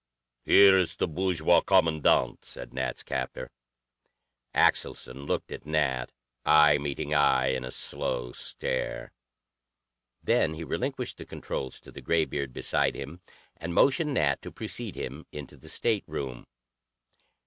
"Here is the bourgeois, Kommandant," said Nat's captor. Axelson looked at Nat, eye meeting eye in a slow stare. Then he relinquished the controls to the graybeard beside him, and motioned Nat to precede him into the stateroom.